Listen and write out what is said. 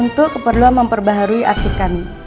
untuk keperluan memperbaharui asikan